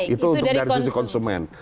itu dari sisi konsumen